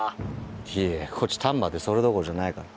いやいやこっち丹波でそれどころじゃないから。